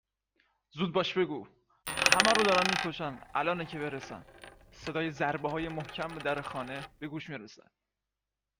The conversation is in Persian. زود باش بگو. همه رو دارن میکشن الانه که برسن. صدای ضربه های محکم به در خانه به گوش میرسد